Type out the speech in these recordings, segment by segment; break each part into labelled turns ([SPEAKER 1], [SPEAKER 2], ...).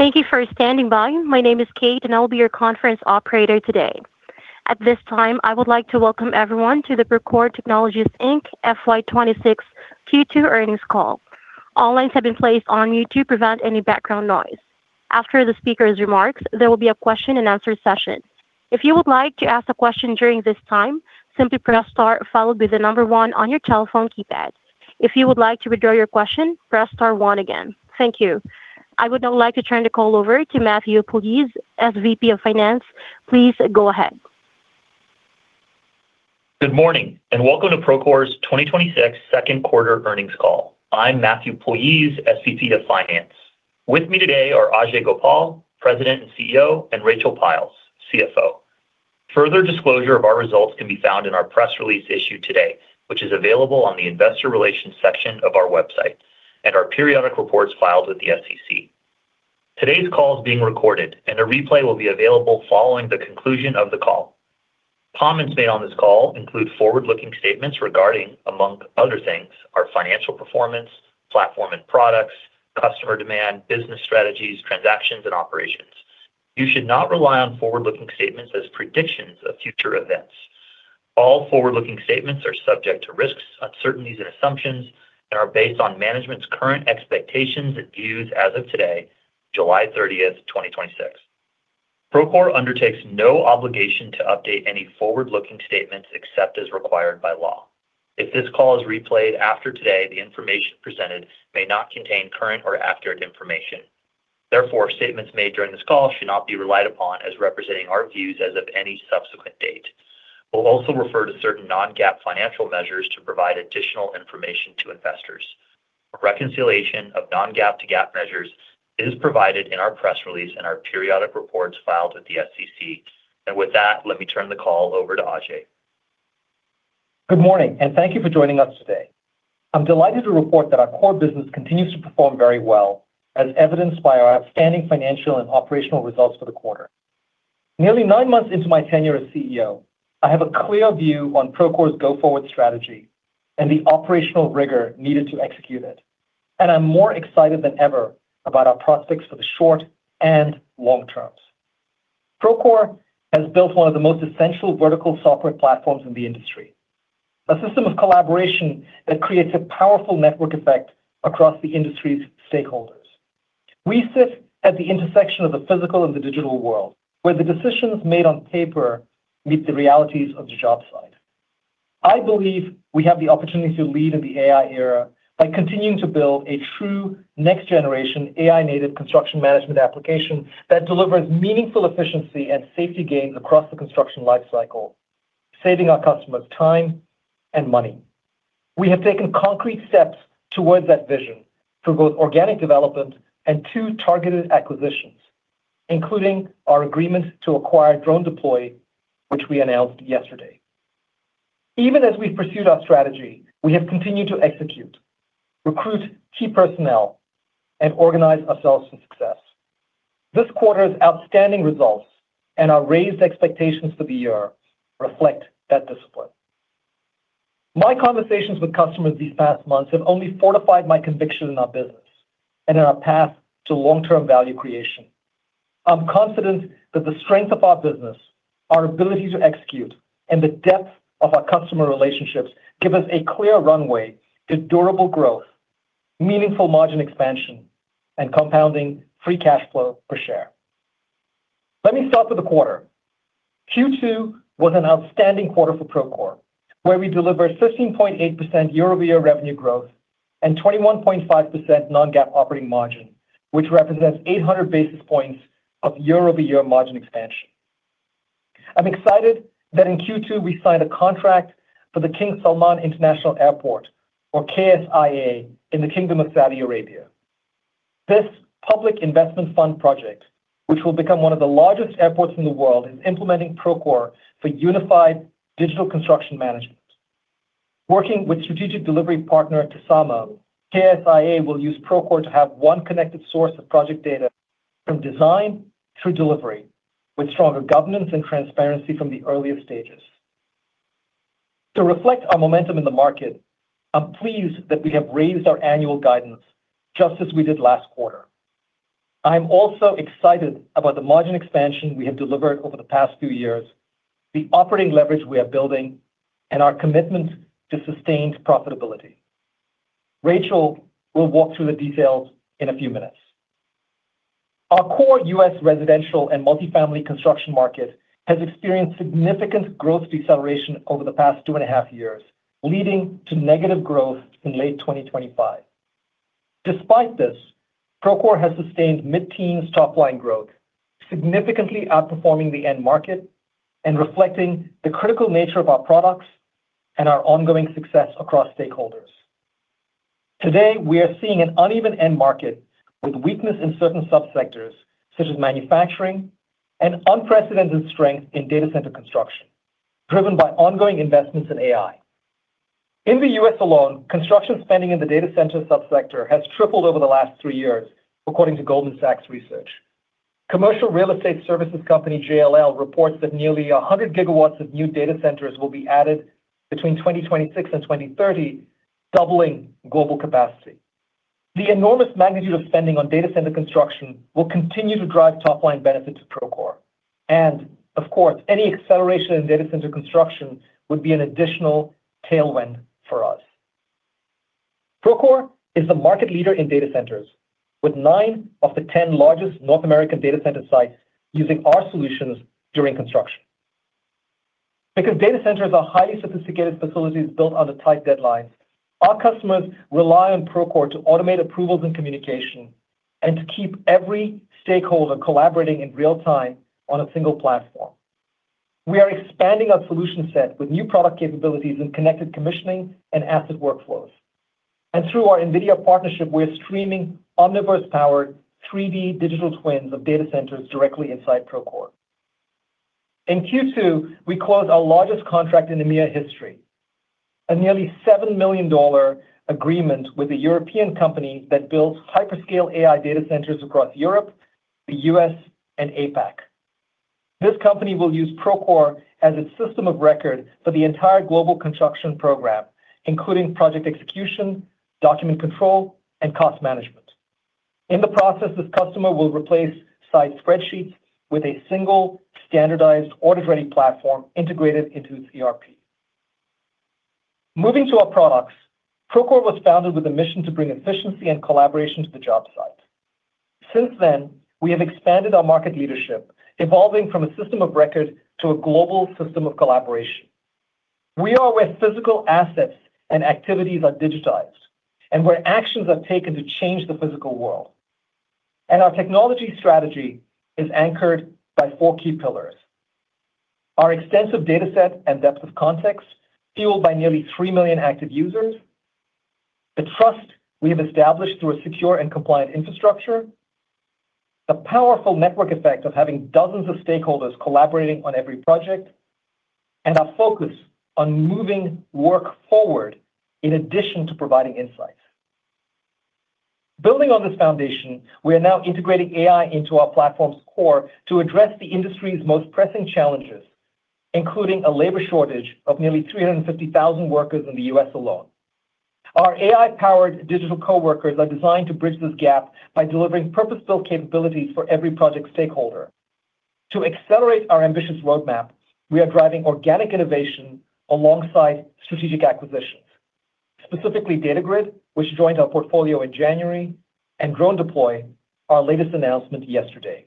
[SPEAKER 1] Thank you for standing by. My name is Kate, and I will be your conference operator today. At this time, I would like to welcome everyone to the Procore Technologies, Inc, FY 2026 Q2 earnings call. All lines have been placed on mute to prevent any background noise. After the speaker's remarks, there will be a question and answer session. If you would like to ask a question during this time, simply press star followed by the number one on your telephone keypad. If you would like to withdraw your question, press star one again. Thank you. I would now like to turn the call over to Matthew Puljiz, SVP of Finance. Please go ahead.
[SPEAKER 2] Good morning, and welcome to Procore's 2026 second quarter earnings call. I'm Matthew Puljiz, SVP of Finance. With me today are Ajei Gopal, President and CEO, and Rachel Pyles, CFO. Further disclosure of our results can be found in our press release issued today, which is available on the investor relations section of our website and our periodic reports filed with the SEC. Today's call is being recorded, and a replay will be available following the conclusion of the call. Comments made on this call include forward-looking statements regarding, among other things, our financial performance, platform and products, customer demand, business strategies, transactions, and operations. You should not rely on forward-looking statements as predictions of future events. All forward-looking statements are subject to risks, uncertainties, and assumptions, and are based on management's current expectations and views as of today, July 30th, 2026. Procore undertakes no obligation to update any forward-looking statements except as required by law. If this call is replayed after today, the information presented may not contain current or accurate information. Therefore, statements made during this call should not be relied upon as representing our views as of any subsequent date. We'll also refer to certain non-GAAP financial measures to provide additional information to investors. A reconciliation of non-GAAP to GAAP measures is provided in our press release and our periodic reports filed with the SEC. With that, let me turn the call over to Ajei.
[SPEAKER 3] Good morning, and thank you for joining us today. I'm delighted to report that our core business continues to perform very well, as evidenced by our outstanding financial and operational results for the quarter. Nearly nine months into my tenure as CEO, I have a clear view on Procore's go-forward strategy and the operational rigor needed to execute it, and I'm more excited than ever about our prospects for the short and long terms. Procore has built one of the most essential vertical software platforms in the industry, a system of collaboration that creates a powerful network effect across the industry's stakeholders. We sit at the intersection of the physical and the digital world, where the decisions made on paper meet the realities of the job site. I believe we have the opportunity to lead in the AI era by continuing to build a true next-generation, AI-native construction management application that delivers meaningful efficiency and safety gains across the construction life cycle, saving our customers time and money. We have taken concrete steps towards that vision through both organic development and two targeted acquisitions, including our agreement to acquire DroneDeploy, which we announced yesterday. Even as we've pursued our strategy, we have continued to execute, recruit key personnel, and organize ourselves for success. This quarter's outstanding results and our raised expectations for the year reflect that discipline. My conversations with customers these past months have only fortified my conviction in our business and in our path to long-term value creation. I'm confident that the strength of our business, our ability to execute, and the depth of our customer relationships give us a clear runway to durable growth, meaningful margin expansion, and compounding free cash flow per share. Let me start with the quarter. Q2 was an outstanding quarter for Procore, where we delivered 15.8% year-over-year revenue growth and 21.5% non-GAAP operating margin, which represents 800 basis points of year-over-year margin expansion. I'm excited that in Q2, we signed a contract for the King Salman International Airport, or KSIA, in the Kingdom of Saudi Arabia. This public investment fund project, which will become one of the largest airports in the world, is implementing Procore for unified digital construction management. Working with strategic delivery partner, TASAMA, KSIA will use Procore to have one connected source of project data from design through delivery, with stronger governance and transparency from the earliest stages. To reflect our momentum in the market, I'm pleased that we have raised our annual guidance, just as we did last quarter. I'm also excited about the margin expansion we have delivered over the past few years, the operating leverage we are building, and our commitment to sustained profitability. Rachel will walk through the details in a few minutes. Our core U.S. residential and multifamily construction market has experienced significant growth deceleration over the past two and a half years, leading to negative growth in late 2025. Despite this, Procore has sustained mid-teens top-line growth, significantly outperforming the end market and reflecting the critical nature of our products and our ongoing success across stakeholders. Today, we are seeing an uneven end market with weakness in certain sub-sectors, such as manufacturing, and unprecedented strength in data center construction, driven by ongoing investments in AI. In the U.S. alone, construction spending in the data center sub-sector has tripled over the last three years, according to Goldman Sachs Research. Commercial real estate services company JLL reports that nearly 100 gigawatts of new data centers will be added between 2026 and 2030, doubling global capacity. The enormous magnitude of spending on data center construction will continue to drive top-line benefit to Procore. Of course, any acceleration in data center construction would be an additional tailwind for us. Procore is the market leader in data centers with nine of the 10 largest North American data center sites using our solutions during construction. Because data centers are highly sophisticated facilities built under tight deadlines, our customers rely on Procore to automate approvals and communication, and to keep every stakeholder collaborating in real-time on a single platform. We are expanding our solution set with new product capabilities in connected commissioning and asset workflows. Through our NVIDIA partnership, we're streaming Omniverse-powered 3D digital twins of data centers directly inside Procore. In Q2, we closed our largest contract in EMEA history. A nearly $7 million agreement with a European company that builds hyperscale AI data centers across Europe, the U.S., and APAC. This company will use Procore as its system of record for the entire global construction program, including project execution, document control, and cost management. In the process, this customer will replace site spreadsheets with a single standardized audit-ready platform integrated into its ERP. Moving to our products, Procore was founded with a mission to bring efficiency and collaboration to the job site. Since then, we have expanded our market leadership, evolving from a system of record to a global system of collaboration. We are where physical assets and activities are digitized, and where actions are taken to change the physical world. Our technology strategy is anchored by four key pillars. Our extensive dataset and depth of context, fueled by nearly 3 million active users, the trust we have established through a secure and compliant infrastructure, the powerful network effect of having dozens of stakeholders collaborating on every project, and our focus on moving work forward in addition to providing insights. Building on this foundation, we are now integrating AI into our platform's core to address the industry's most pressing challenges, including a labor shortage of nearly 350,000 workers in the U.S. alone. Our AI-powered digital coworkers are designed to bridge this gap by delivering purpose-built capabilities for every project stakeholder. To accelerate our ambitious roadmap, we are driving organic innovation alongside strategic acquisitions. Specifically, Datagrid, which joined our portfolio in January, and DroneDeploy, our latest announcement yesterday.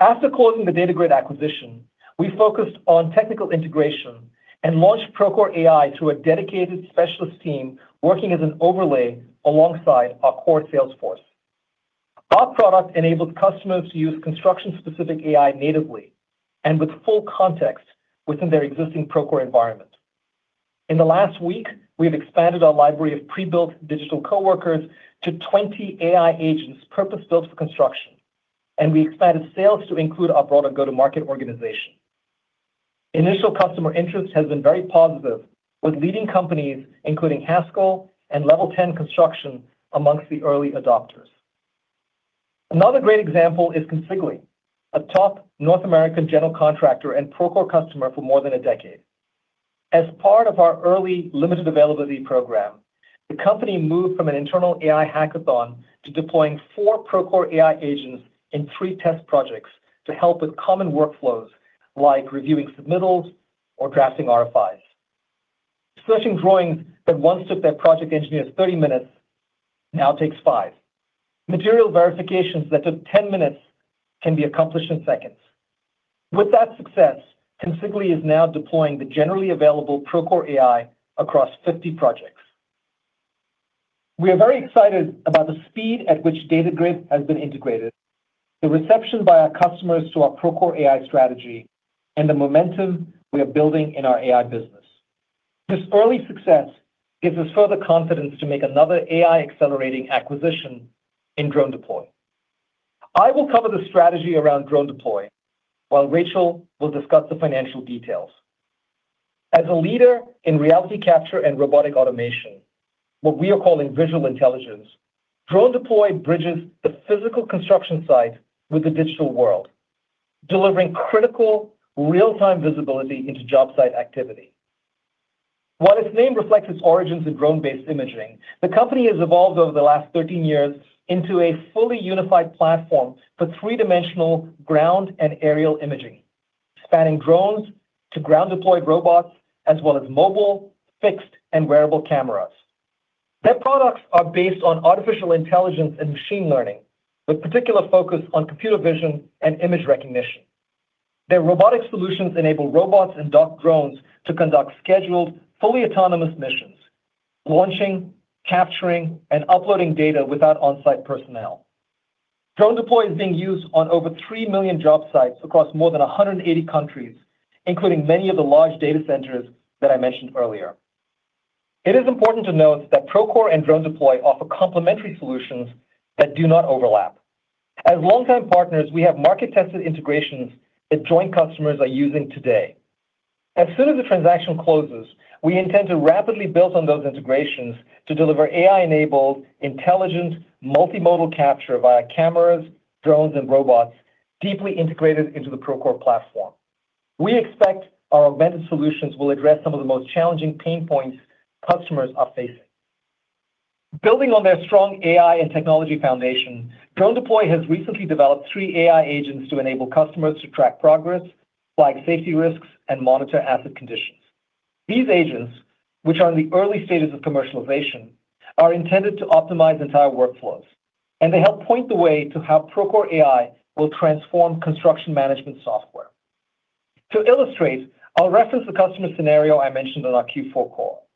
[SPEAKER 3] After closing the Datagrid acquisition, we focused on technical integration and launched Procore AI through a dedicated specialist team working as an overlay alongside our core sales force. Our product enables customers to use construction-specific AI natively and with full context within their existing Procore environment. In the last week, we've expanded our library of pre-built digital coworkers to 20 AI agents purpose-built for construction, and we expanded sales to include our broader go-to-market organization. Initial customer interest has been very positive with leading companies including Haskell and Level 10 Construction amongst the early adopters. Another great example is Consigli, a top North American general contractor and Procore customer for more than a decade. As part of our early limited availability program, the company moved from an internal AI hackathon to deploying four Procore AI agents in three test projects to help with common workflows like reviewing submittals or drafting RFIs. Searching drawings that once took their project engineers 30 minutes now takes five. Material verifications that took 10 minutes can be accomplished in seconds. With that success, Consigli is now deploying the generally available Procore AI across 50 projects. We are very excited about the speed at which Datagrid has been integrated, the reception by our customers to our Procore AI strategy, and the momentum we are building in our AI business. This early success gives us further confidence to make another AI-accelerating acquisition in DroneDeploy. I will cover the strategy around DroneDeploy while Rachel will discuss the financial details. As a leader in reality capture and robotic automation, what we are calling visual intelligence, DroneDeploy bridges the physical construction site with the digital world, delivering critical real-time visibility into job site activity. While its name reflects its origins in drone-based imaging, the company has evolved over the last 13 years into a fully unified platform for three-dimensional ground and aerial imaging, spanning drones to ground-deployed robots, as well as mobile, fixed, and wearable cameras. Their products are based on artificial intelligence and machine learning, with particular focus on computer vision and image recognition. Their robotic solutions enable robots and docked drones to conduct scheduled, fully autonomous missions, launching, capturing, and uploading data without on-site personnel. DroneDeploy is being used on over 3 million job sites across more than 180 countries, including many of the large data centers that I mentioned earlier. It is important to note that Procore and DroneDeploy offer complementary solutions that do not overlap. Longtime partners, we have market-tested integrations that joint customers are using today. Soon as the transaction closes, we intend to rapidly build on those integrations to deliver AI-enabled, intelligent, multimodal capture via cameras, drones, and robots, deeply integrated into the Procore platform. We expect our augmented solutions will address some of the most challenging pain points customers are facing. Building on their strong AI and technology foundation, DroneDeploy has recently developed three AI agents to enable customers to track progress, flag safety risks, and monitor asset conditions. These agents, which are in the early stages of commercialization, are intended to optimize entire workflows. They help point the way to how Procore AI will transform construction management software. To illustrate, I'll reference the customer scenario I mentioned in our Q4 call.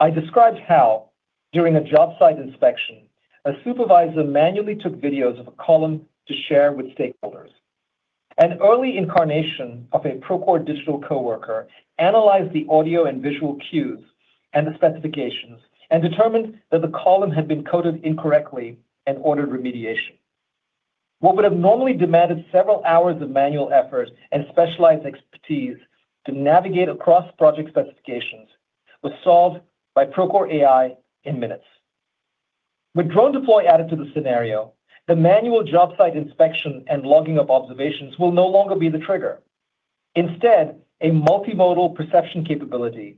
[SPEAKER 3] I described how, during a job site inspection, a supervisor manually took videos of a column to share with stakeholders. An early incarnation of a Procore digital coworker analyzed the audio and visual cues and the specifications, determined that the column had been coded incorrectly and ordered remediation. What would have normally demanded several hours of manual effort and specialized expertise to navigate across project specifications was solved by Procore AI in minutes. With DroneDeploy added to the scenario, the manual job site inspection and logging of observations will no longer be the trigger. Instead, a multimodal perception capability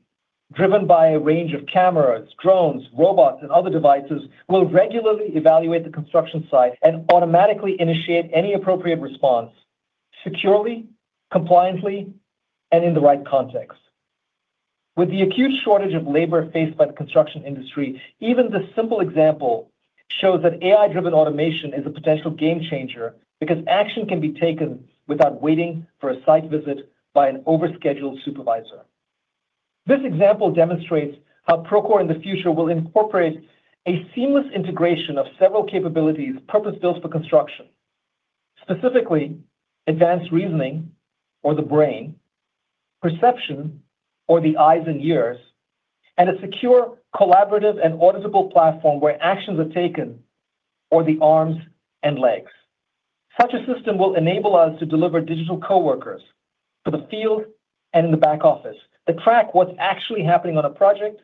[SPEAKER 3] driven by a range of cameras, drones, robots, and other devices will regularly evaluate the construction site and automatically initiate any appropriate response securely, compliantly, and in the right context. With the acute shortage of labor faced by the construction industry, even this simple example shows that AI-driven automation is a potential game changer because action can be taken without waiting for a site visit by an overscheduled supervisor. This example demonstrates how Procore in the future will incorporate a seamless integration of several capabilities purpose-built for construction, specifically advanced reasoning or the brain, perception or the eyes and ears, a secure, collaborative, and auditable platform where actions are taken or the arms and legs. Such a system will enable us to deliver digital coworkers to the field and in the back office to track what's actually happening on a project,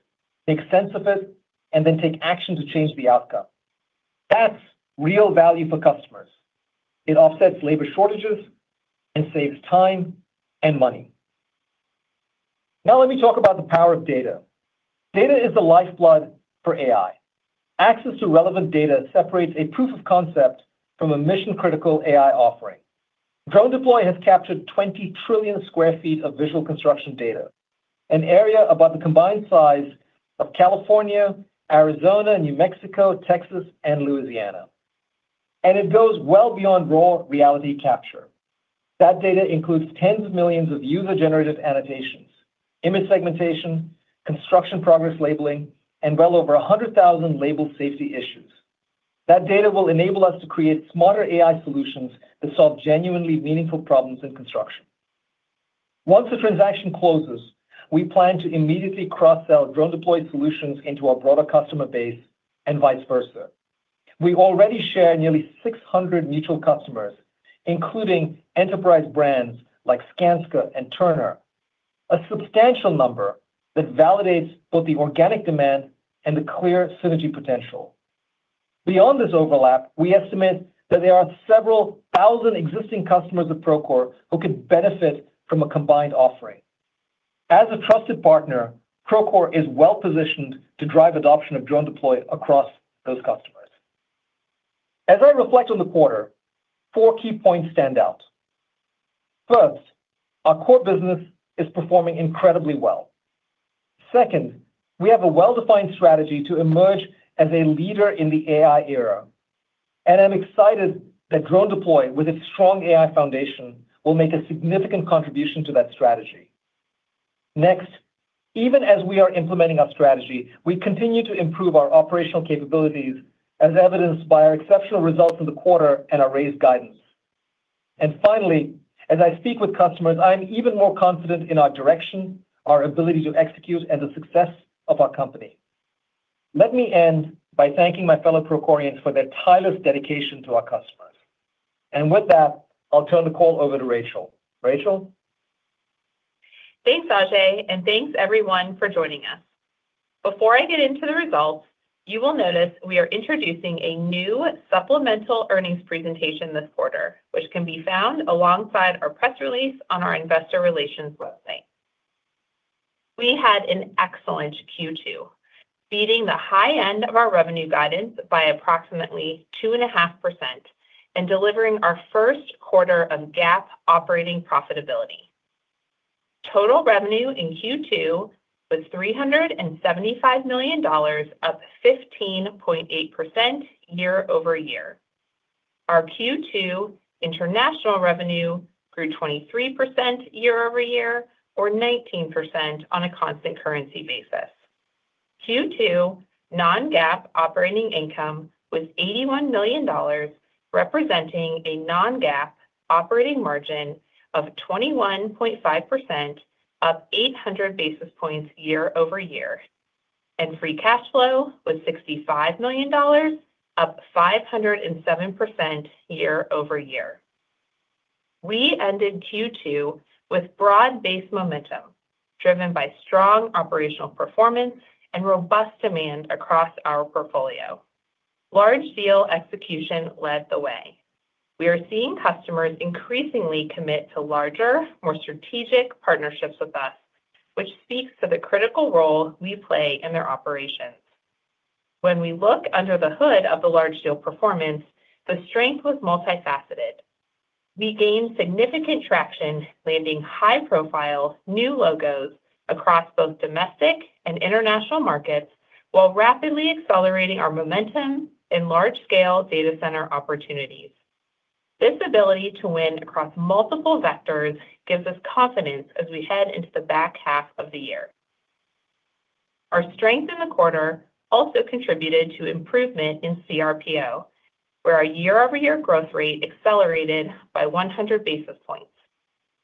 [SPEAKER 3] make sense of it, then take action to change the outcome. That's real value for customers. It offsets labor shortages and saves time and money. Let me talk about the power of data. Data is the lifeblood for AI. Access to relevant data separates a proof of concept from a mission-critical AI offering. DroneDeploy has captured 20 trillion square feet of visual construction data, an area about the combined size of California, Arizona, New Mexico, Texas, and Louisiana. It goes well beyond raw reality capture. That data includes tens of millions of user-generated annotations, image segmentation, construction progress labeling, and well over 100,000 labeled safety issues. That data will enable us to create smarter AI solutions that solve genuinely meaningful problems in construction. Once the transaction closes, we plan to immediately cross-sell DroneDeploy solutions into our broader customer base and vice versa. We already share nearly 600 mutual customers, including enterprise brands like Skanska and Turner, a substantial number that validates both the organic demand and the clear synergy potential. Beyond this overlap, we estimate that there are several thousand existing customers of Procore who could benefit from a combined offering. As a trusted partner, Procore is well-positioned to drive adoption of DroneDeploy across those customers. As I reflect on the quarter, four key points stand out. First, our core business is performing incredibly well. Second, we have a well-defined strategy to emerge as a leader in the AI era, and I'm excited that DroneDeploy, with its strong AI foundation, will make a significant contribution to that strategy. Next, even as we are implementing our strategy, we continue to improve our operational capabilities, as evidenced by our exceptional results in the quarter and our raised guidance. Finally, as I speak with customers, I am even more confident in our direction, our ability to execute, and the success of our company. Let me end by thanking my fellow Procorians for their tireless dedication to our customers. With that, I'll turn the call over to Rachel. Rachel?
[SPEAKER 4] Thanks, Ajei, and thanks, everyone, for joining us. Before I get into the results, you will notice we are introducing a new supplemental earnings presentation this quarter, which can be found alongside our press release on our investor relations website. We had an excellent Q2, beating the high end of our revenue guidance by approximately 2.5% and delivering our first quarter of GAAP operating profitability. Total revenue in Q2 was $375 million, up 15.8% year-over-year. Our Q2 international revenue grew 23% year-over-year or 19% on a constant currency basis. Q2 non-GAAP operating income was $81 million, representing a non-GAAP operating margin of 21.5% up 800 basis points year-over-year. Free cash flow was $65 million, up 507% year-over-year. We ended Q2 with broad-based momentum, driven by strong operational performance and robust demand across our portfolio. Large deal execution led the way. We are seeing customers increasingly commit to larger, more strategic partnerships with us, which speaks to the critical role we play in their operations. When we look under the hood of the large deal performance, the strength was multifaceted. We gained significant traction landing high-profile new logos across both domestic and international markets, while rapidly accelerating our momentum in large-scale data center opportunities. This ability to win across multiple vectors gives us confidence as we head into the back half of the year. Our strength in the quarter also contributed to improvement in CRPO, where our year-over-year growth rate accelerated by 100 basis points.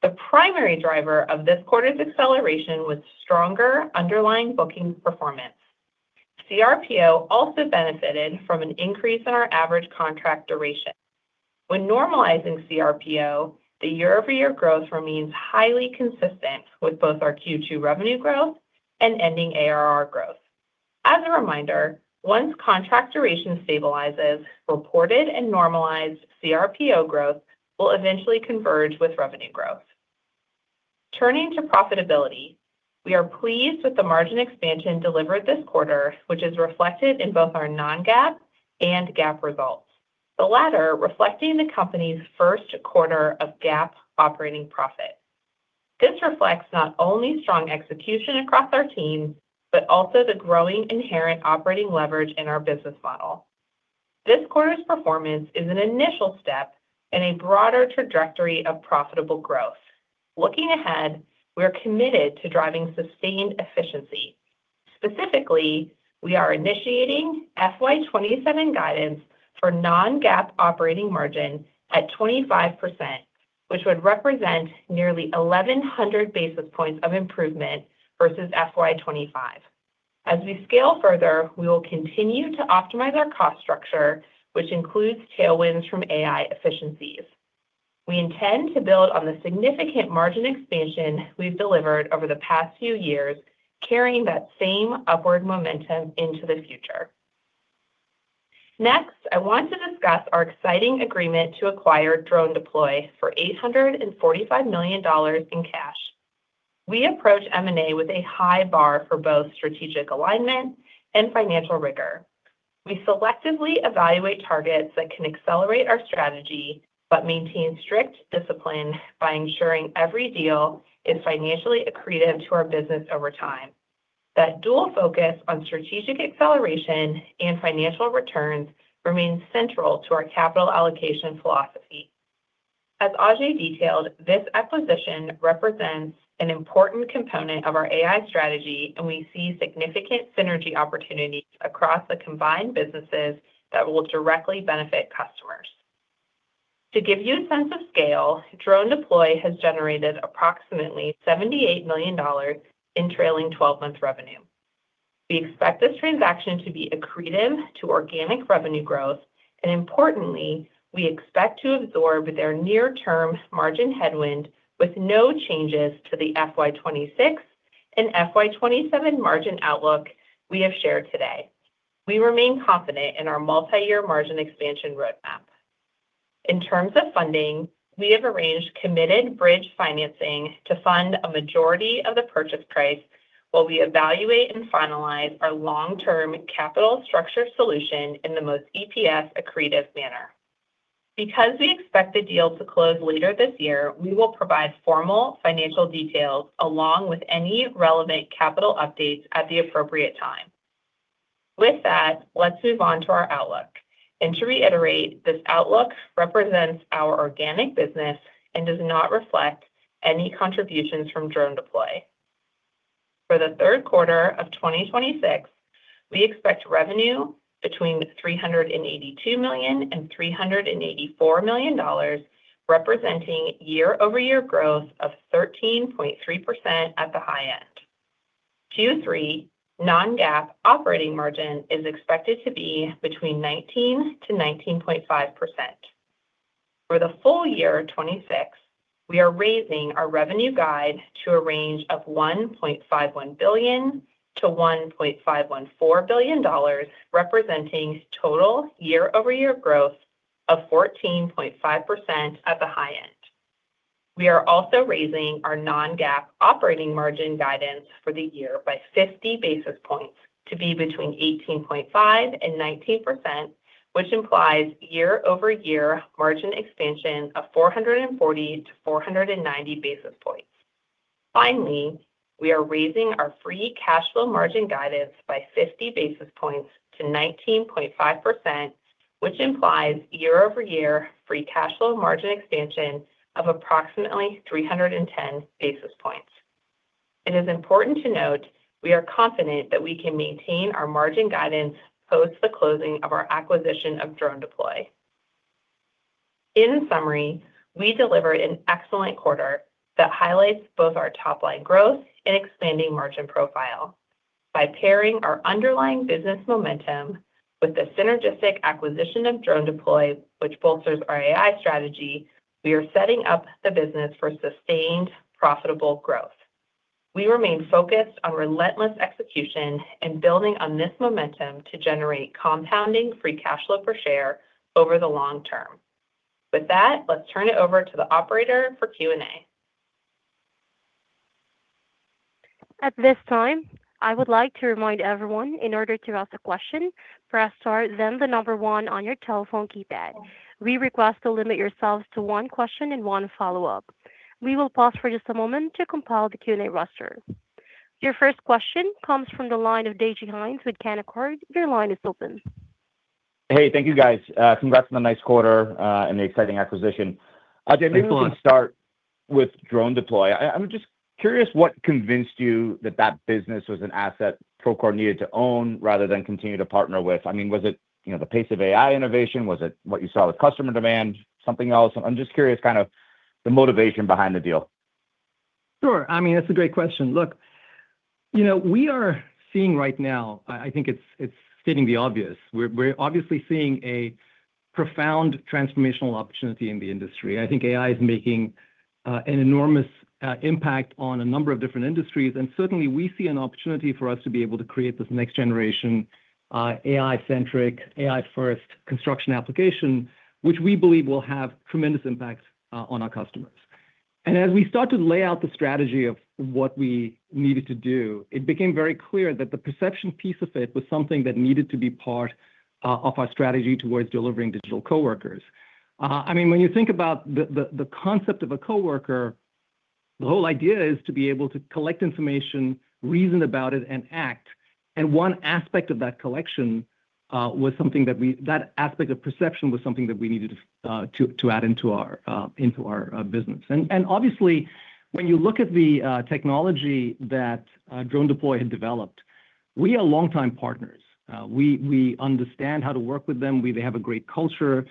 [SPEAKER 4] The primary driver of this quarter's acceleration was stronger underlying booking performance. CRPO also benefited from an increase in our average contract duration. When normalizing CRPO, the year-over-year growth remains highly consistent with both our Q2 revenue growth and ending ARR growth. As a reminder, once contract duration stabilizes, reported and normalized CRPO growth will eventually converge with revenue growth. Turning to profitability, we are pleased with the margin expansion delivered this quarter, which is reflected in both our non-GAAP and GAAP results, the latter reflecting the company's first quarter of GAAP operating profit. This reflects not only strong execution across our teams, but also the growing inherent operating leverage in our business model. This quarter's performance is an initial step in a broader trajectory of profitable growth. Looking ahead we are committed to driving sustained efficiency. Specifically, we are initiating FY 2027 guidance for non-GAAP operating margin at 25%, which would represent nearly 1,100 basis points of improvement versus FY 2025. As we scale further, we will continue to optimize our cost structure, which includes tailwinds from AI efficiencies. We intend to build on the significant margin expansion we've delivered over the past few years, carrying that same upward momentum into the future. Next, I want to discuss our exciting agreement to acquire DroneDeploy for $845 million in cash. We approach M&A with a high bar for both strategic alignment and financial rigor. We selectively evaluate targets that can accelerate our strategy but maintain strict discipline by ensuring every deal is financially accretive to our business over time. That dual focus on strategic acceleration and financial returns remains central to our capital allocation philosophy. As Ajei detailed, this acquisition represents an important component of our AI strategy, and we see significant synergy opportunities across the combined businesses that will directly benefit customers. To give you a sense of scale, DroneDeploy has generated approximately $78 million in trailing 12-month revenue. We expect this transaction to be accretive to organic revenue growth, and importantly, we expect to absorb their near-term margin headwind with no changes to the FY 2026 and FY 2027 margin outlook we have shared today. We remain confident in our multi-year margin expansion roadmap. In terms of funding, we have arranged committed bridge financing to fund a majority of the purchase price while we evaluate and finalize our long-term capital structure solution in the most EPS accretive manner. Because we expect the deal to close later this year, we will provide formal financial details along with any relevant capital updates at the appropriate time. With that, let's move on to our outlook. To reiterate, this outlook represents our organic business and does not reflect any contributions from DroneDeploy. For the third quarter of 2026, we expect revenue between $382 million and $384 million, representing year-over-year growth of 13.3% at the high end. Q3 non-GAAP operating margin is expected to be between 19% to 19.5%. For the full year 2026, we are raising our revenue guide to a range of $1.51 billion to $1.514 billion, representing total year-over-year growth of 14.5% at the high end. We are also raising our non-GAAP operating margin guidance for the year by 50 basis points to be between 18.5% and 19%, which implies year-over-year margin expansion of 440 to 490 basis points. Finally, we are raising our free cash flow margin guidance by 50 basis points to 19.5%, which implies year-over-year free cash flow margin expansion of approximately 310 basis points. It is important to note, we are confident that we can maintain our margin guidance post the closing of our acquisition of DroneDeploy. In summary, we delivered an excellent quarter that highlights both our top-line growth and expanding margin profile. By pairing our underlying business momentum with the synergistic acquisition of DroneDeploy, which bolsters our AI strategy, we are setting up the business for sustained, profitable growth. We remain focused on relentless execution and building on this momentum to generate compounding free cash flow per share over the long term. With that, let's turn it over to the operator for Q&A.
[SPEAKER 1] At this time, I would like to remind everyone, in order to ask a question, press star then the number one on your telephone keypad. We request to limit yourselves to one question and one follow-up. We will pause for just a moment to compile the Q&A roster. Your first question comes from the line of DJ Hynes with Canaccord. Your line is open.
[SPEAKER 5] Hey, thank you guys. Congrats on the nice quarter, and the exciting acquisition.
[SPEAKER 3] Thanks, DJ.
[SPEAKER 5] Maybe we can start with DroneDeploy. I'm just curious what convinced you that that business was an asset Procore needed to own rather than continue to partner with. Was it the pace of AI innovation? Was it what you saw with customer demand? Something else? I'm just curious, the motivation behind the deal.
[SPEAKER 3] Sure. That's a great question. Look, we are seeing right now, I think it's stating the obvious. We're obviously seeing a profound transformational opportunity in the industry. I think AI is making an enormous impact on a number of different industries. Certainly, we see an opportunity for us to be able to create this next generation, AI-centric, AI-first construction application, which we believe will have tremendous impacts on our customers. As we start to lay out the strategy of what we needed to do, it became very clear that the perception piece of it was something that needed to be part of our strategy towards delivering digital coworkers. When you think about the concept of a coworker, the whole idea is to be able to collect information, reason about it, and act. That aspect of perception was something that we needed to add into our business. Obviously, when you look at the technology that DroneDeploy had developed, we are longtime partners. We understand how to work with them. They have a great culture.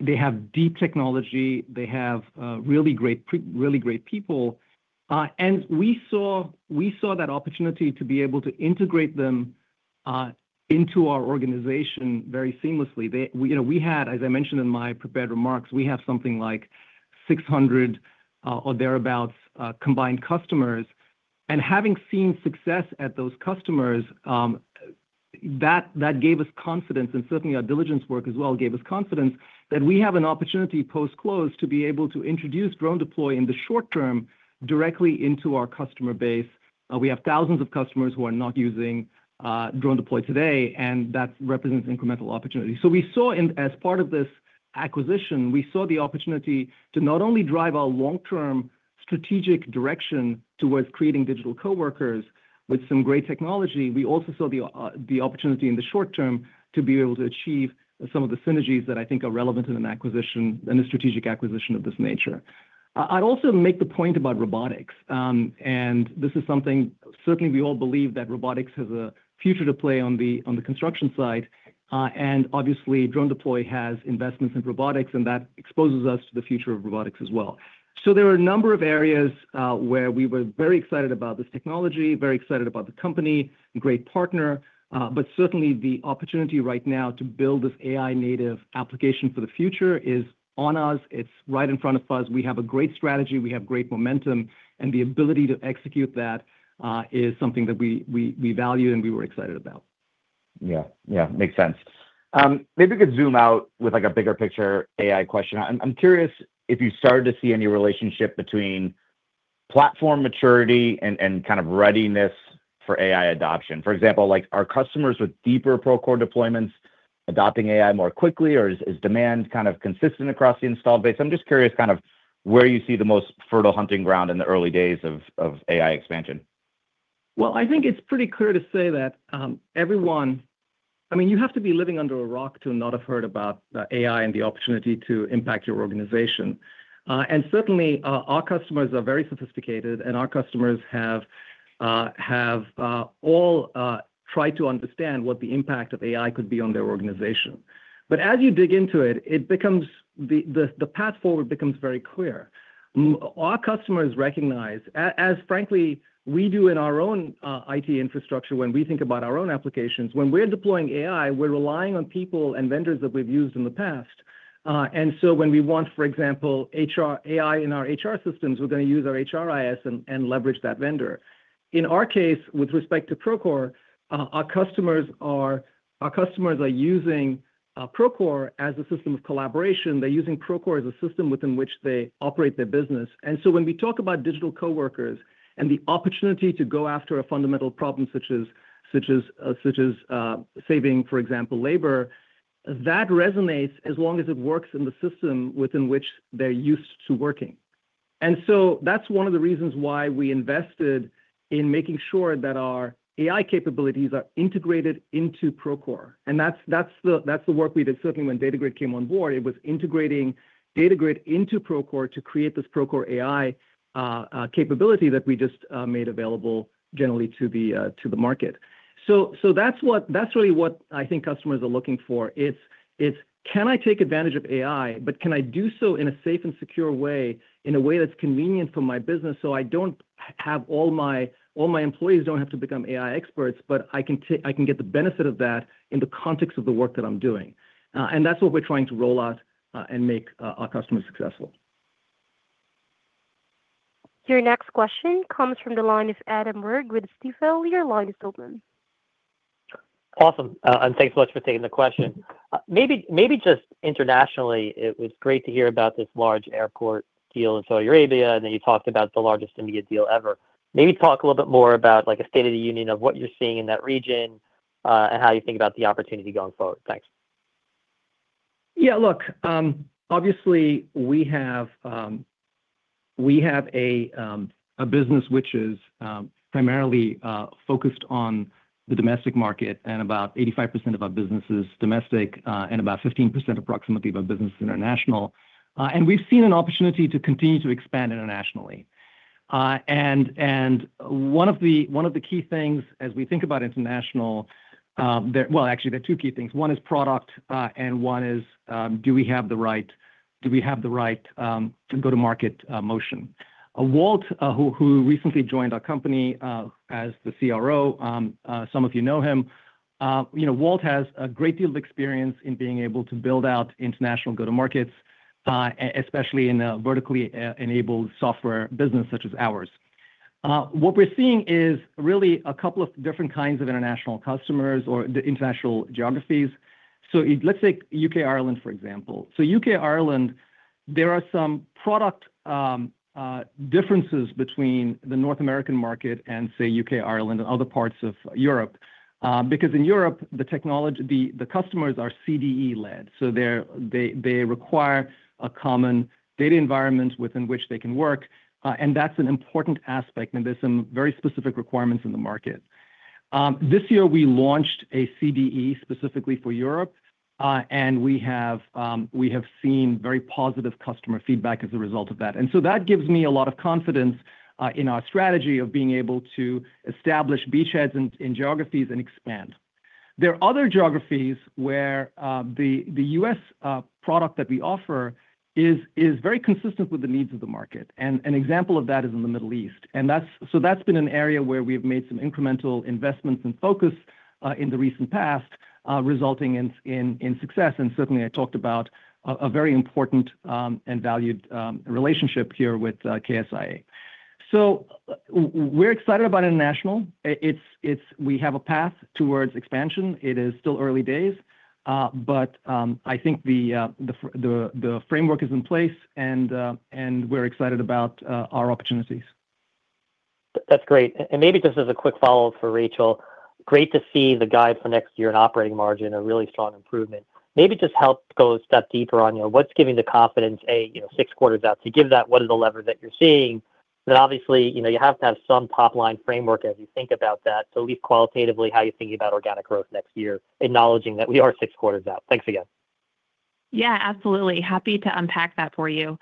[SPEAKER 3] They have deep technology. They have really great people. We saw that opportunity to be able to integrate them into our organization very seamlessly. As I mentioned in my prepared remarks, we have something like 600 or thereabout, combined customers. Having seen success at those customers, that gave us confidence, and certainly our diligence work as well gave us confidence that we have an opportunity post-close to be able to introduce DroneDeploy in the short term directly into our customer base. We have thousands of customers who are not using DroneDeploy today, that represents incremental opportunity. We saw as part of this acquisition, we saw the opportunity to not only drive our long-term strategic direction towards creating digital coworkers with some great technology, we also saw the opportunity in the short term to be able to achieve some of the synergies that I think are relevant in an acquisition and a strategic acquisition of this nature. I'd also make the point about robotics. This is something, certainly, we all believe that robotics has a future to play on the construction side. Obviously, DroneDeploy has investments in robotics, and that exposes us to the future of robotics as well. There are a number of areas, where we were very excited about this technology, very excited about the company, great partner. Certainly, the opportunity right now to build this AI native application for the future is on us. It's right in front of us. We have a great strategy. We have great momentum, the ability to execute that is something that we value and we were excited about.
[SPEAKER 5] Yeah. Makes sense. Maybe we could zoom out with a bigger picture AI question. I'm curious if you started to see any relationship between platform maturity and readiness for AI adoption. For example, are customers with deeper Procore deployments adopting AI more quickly, or is demand consistent across the installed base? I'm just curious where you see the most fertile hunting ground in the early days of AI expansion.
[SPEAKER 3] I think it's pretty clear to say that you have to be living under a rock to not have heard about AI and the opportunity to impact your organization. Certainly, our customers are very sophisticated, our customers have all tried to understand what the impact of AI could be on their organization. As you dig into it, the path forward becomes very clear. Our customers recognize, as frankly we do in our own IT infrastructure when we think about our own applications, when we're deploying AI, we're relying on people and vendors that we've used in the past. When we want, for example, AI in our HR systems, we're going to use our HRIS and leverage that vendor. In our case, with respect to Procore, our customers are using Procore as a system of collaboration. They're using Procore as a system within which they operate their business. When we talk about digital coworkers and the opportunity to go after a fundamental problem such as saving, for example, labor, that resonates as long as it works in the system within which they're used to working. That's one of the reasons why we invested in making sure that our AI capabilities are integrated into Procore. That's the work we did certainly when Datagrid came on board. It was integrating Datagrid into Procore to create this Procore AI capability that we just made available generally to the market. That's really what I think customers are looking for. It's can I take advantage of AI, but can I do so in a safe and secure way, in a way that's convenient for my business so I don't have all my employees don't have to become AI experts, but I can get the benefit of that in the context of the work that I'm doing. That's what we're trying to roll out, and make our customers successful.
[SPEAKER 1] Your next question comes from the line of Adam Borg with Stifel. Your line is open.
[SPEAKER 6] Awesome. Thanks so much for taking the question. Maybe just internationally, it was great to hear about this large airport deal in Saudi Arabia, then you talked about the largest India deal ever. Maybe talk a little bit more about a state of the union of what you're seeing in that region, how you think about the opportunity going forward. Thanks.
[SPEAKER 3] Yeah, look, obviously we have a business which is primarily focused on the domestic market, about 85% of our business is domestic, and about 15%, approximately, of our business is international. We've seen an opportunity to continue to expand internationally. One of the key things as we think about international, well, actually there are two key things. One is product, and one is do we have the right go-to-market motion? Walt, who recently joined our company as the CRO, some of you know him. Walt has a great deal of experience in being able to build out international go-to markets, especially in a vertically-enabled software business such as ours. What we're seeing is really a couple of different kinds of international customers or international geographies. Let's take U.K., Ireland, for example. U.K., Ireland, there are some product differences between the North American market and, say, U.K., Ireland, and other parts of Europe. Because in Europe, the customers are CDE-led, they require a common data environment within which they can work. That's an important aspect, and there's some very specific requirements in the market. This year, we launched a CDE specifically for Europe, and we have seen very positive customer feedback as a result of that. That gives me a lot of confidence in our strategy of being able to establish beachheads in geographies and expand. There are other geographies where the U.S. product that we offer is very consistent with the needs of the market. An example of that is in the Middle East. That's been an area where we've made some incremental investments and focus in the recent past, resulting in success. Certainly, I talked about a very important and valued relationship here with KSIA. We're excited about international. We have a path towards expansion. It is still early days. I think the framework is in place and we're excited about our opportunities.
[SPEAKER 6] That's great. Maybe just as a quick follow-up for Rachel. Great to see the guide for next year and operating margin, a really strong improvement. Maybe just help go a step deeper on what's giving the confidence, A, six quarters out. To give that, what is the lever that you're seeing that obviously, you have to have some top-line framework as you think about that. At least qualitatively, how are you thinking about organic growth next year, acknowledging that we are six quarters out? Thanks again.
[SPEAKER 4] Yeah, absolutely. Happy to unpack that for you.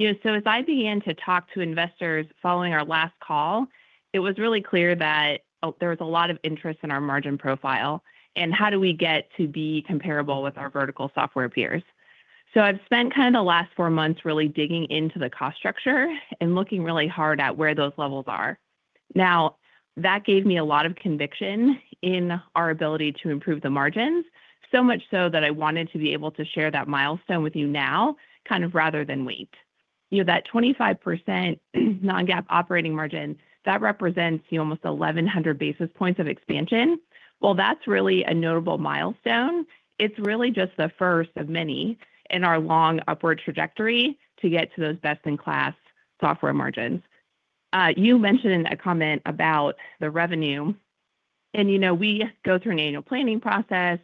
[SPEAKER 4] As I began to talk to investors following our last call, it was really clear that there was a lot of interest in our margin profile, and how do we get to be comparable with our vertical software peers. I've spent the last four months really digging into the cost structure and looking really hard at where those levels are. That gave me a lot of conviction in our ability to improve the margins, so much so that I wanted to be able to share that milestone with you now, rather than wait. That 25% non-GAAP operating margin, that represents almost 1,100 basis points of expansion. While that's really a notable milestone, it's really just the first of many in our long upward trajectory to get to those best-in-class software margins. You mentioned in a comment about the revenue, we go through an annual planning process.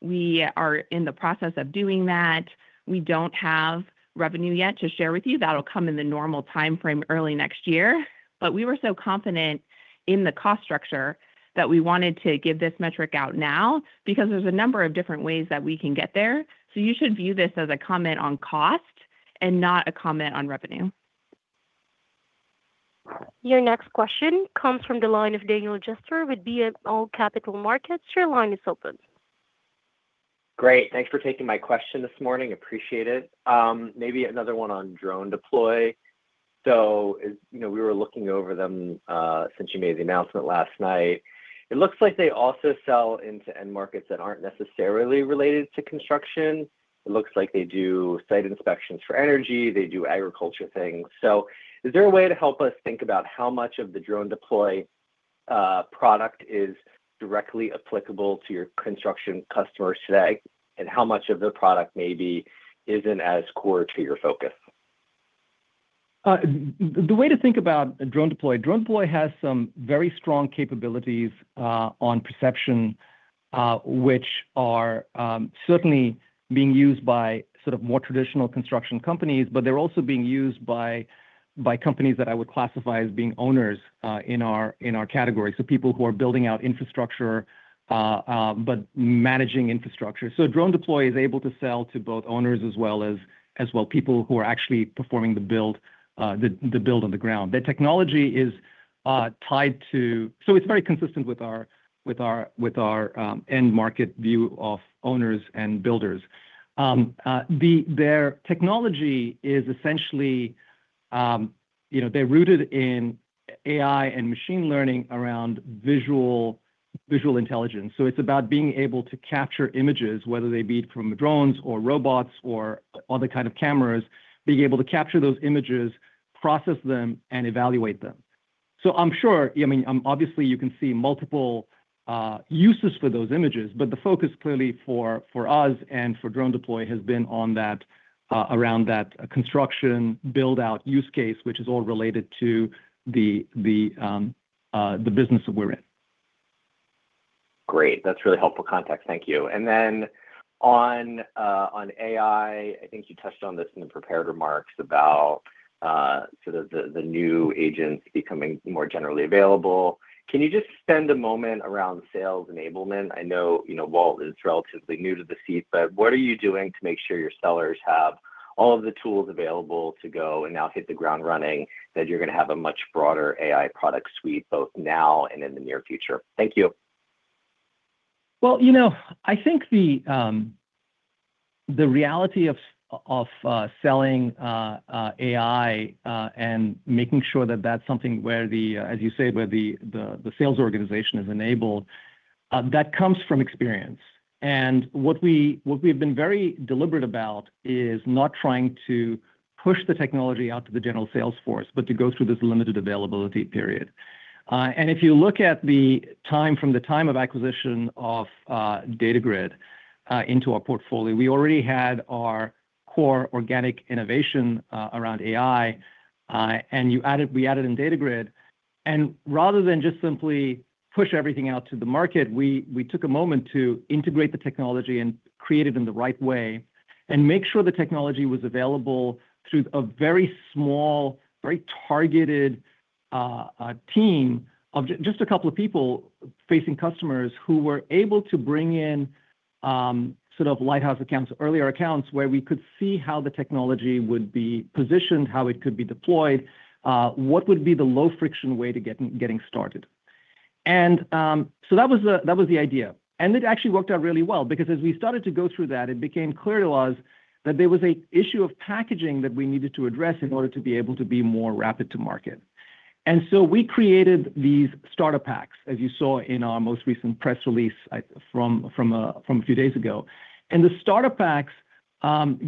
[SPEAKER 4] We are in the process of doing that. We don't have revenue yet to share with you. That'll come in the normal timeframe early next year. We were so confident in the cost structure that we wanted to give this metric out now, because there's a number of different ways that we can get there. You should view this as a comment on cost and not a comment on revenue.
[SPEAKER 1] Your next question comes from the line of Daniel Jester with BMO Capital Markets. Your line is open.
[SPEAKER 7] Great. Thanks for taking my question this morning. Appreciate it. Maybe another one on DroneDeploy. We were looking over them since you made the announcement last night. It looks like they also sell into end markets that aren't necessarily related to construction. It looks like they do site inspections for energy, they do agriculture things. Is there a way to help us think about how much of the DroneDeploy product is directly applicable to your construction customers today, and how much of their product maybe isn't as core to your focus?
[SPEAKER 3] The way to think about DroneDeploy has some very strong capabilities on perception, which are certainly being used by more traditional construction companies, but they're also being used by companies that I would classify as being owners in our category. People who are building out infrastructure, but managing infrastructure. DroneDeploy is able to sell to both owners as well people who are actually performing the build on the ground. The technology is very consistent with our end market view of owners and builders. Their technology is essentially rooted in AI and machine learning around visual intelligence. It's about being able to capture images, whether they be from drones or robots or other kind of cameras, being able to capture those images, process them, and evaluate them. I'm sure, obviously you can see multiple uses for those images, but the focus clearly for us and for DroneDeploy has been around that construction build-out use case, which is all related to the business that we're in.
[SPEAKER 7] Great. That's really helpful context. Thank you. On AI, I think you touched on this in the prepared remarks about the new agents becoming more generally available. Can you just spend a moment around sales enablement? I know Walt is relatively new to the seat, but what are you doing to make sure your sellers have all of the tools available to go and now hit the ground running that you're going to have a much broader AI product suite both now and in the near future? Thank you.
[SPEAKER 3] I think the reality of selling AI and making sure that that's something where the, as you say, where the sales organization is enabled, that comes from experience. What we have been very deliberate about is not trying to push the technology out to the general sales force, but to go through this limited availability period. If you look at the time from the time of acquisition of Datagrid into our portfolio, we already had our core organic innovation around AI. We added in Datagrid. Rather than just simply push everything out to the market, we took a moment to integrate the technology and create it in the right way and make sure the technology was available through a very small, very targeted team of just a couple of people facing customers who were able to bring in lighthouse accounts, earlier accounts, where we could see how the technology would be positioned, how it could be deployed, what would be the low-friction way to getting started. That was the idea. It actually worked out really well because as we started to go through that, it became clear to us that there was an issue of packaging that we needed to address in order to be able to be more rapid to market. We created these starter packs, as you saw in our most recent press release from a few days ago. The starter packs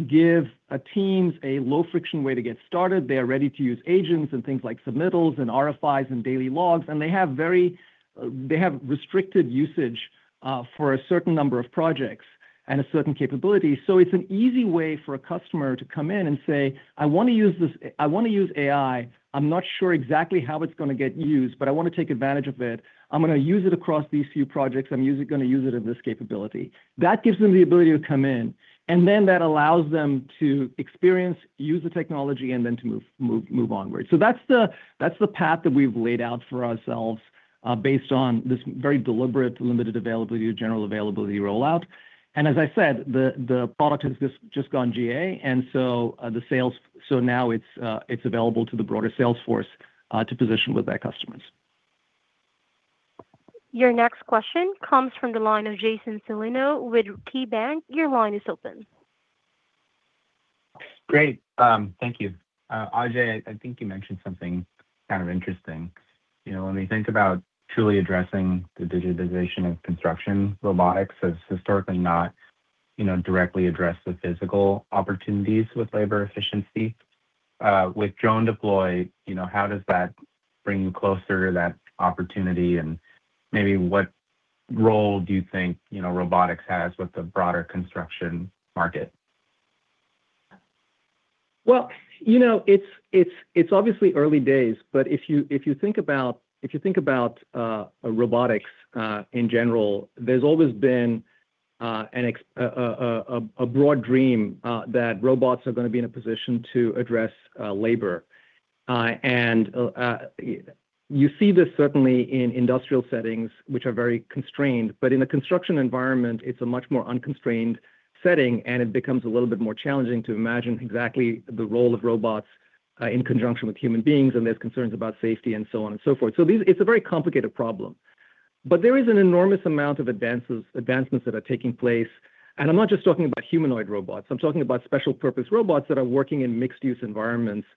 [SPEAKER 3] give teams a low-friction way to get started. They are ready-to-use agents and things like submittals and RFIs and daily logs. They have restricted usage for a certain number of projects and a certain capability. It's an easy way for a customer to come in and say, "I want to use AI. I'm not sure exactly how it's going to get used, but I want to take advantage of it. I'm going to use it across these few projects. I'm going to use it in this capability." That gives them the ability to come in, and then that allows them to experience, use the technology, and then to move onward. That's the path that we've laid out for ourselves based on this very deliberate, limited availability, general availability rollout. As I said, the product has just gone GA, now it's available to the broader sales force to position with their customers.
[SPEAKER 1] Your next question comes from the line of Jason Celino with KeyBanc. Your line is open.
[SPEAKER 8] Great. Thank you. Ajei, I think you mentioned something kind of interesting. When we think about truly addressing the digitization of construction, robotics has historically not directly addressed the physical opportunities with labor efficiency. With DroneDeploy, how does that bring you closer to that opportunity, and maybe what role do you think robotics has with the broader construction market?
[SPEAKER 3] Well, it's obviously early days, but if you think about robotics in general, there's always been a broad dream that robots are going to be in a position to address labor. You see this certainly in industrial settings, which are very constrained, but in a construction environment, it's a much more unconstrained setting, and it becomes a little bit more challenging to imagine exactly the role of robots in conjunction with human beings, and there's concerns about safety and so on and so forth. It's a very complicated problem. There is an enormous amount of advancements that are taking place. I'm not just talking about humanoid robots. I'm talking about special-purpose robots that are working in mixed-use environments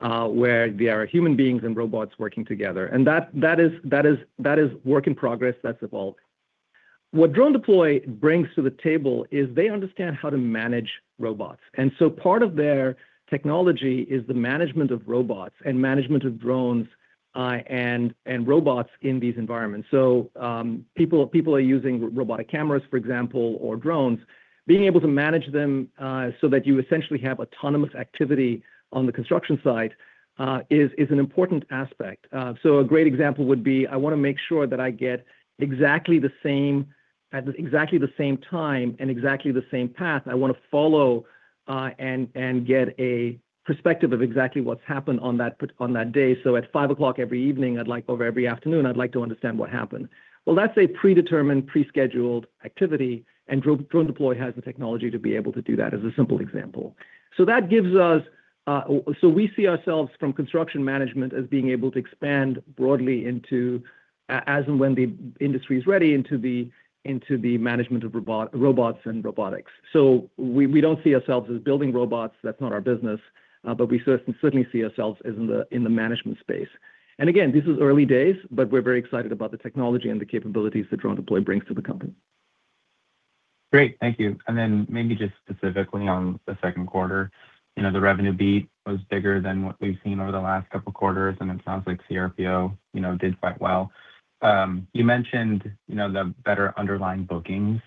[SPEAKER 3] where there are human beings and robots working together. That is work in progress. That's evolved. What DroneDeploy brings to the table is they understand how to manage robots. Part of their technology is the management of robots and management of drones and robots in these environments. People are using robotic cameras, for example, or drones. Being able to manage them so that you essentially have autonomous activity on the construction site is an important aspect. A great example would be, I want to make sure that I get exactly the same at exactly the same time and exactly the same path. I want to follow and get a perspective of exactly what's happened on that day. At 5:00 every evening, or every afternoon, I'd like to understand what happened. Well, that's a predetermined, pre-scheduled activity, and DroneDeploy has the technology to be able to do that as a simple example. We see ourselves from construction management as being able to expand broadly into, as and when the industry is ready, into the management of robots and robotics. We don't see ourselves as building robots. That's not our business. We certainly see ourselves in the management space. Again, this is early days, but we're very excited about the technology and the capabilities that DroneDeploy brings to the company.
[SPEAKER 8] Great. Thank you. Maybe just specifically on the second quarter, the revenue beat was bigger than what we have seen over the last couple of quarters, and it sounds like CRPO did quite well. You mentioned the better underlying bookings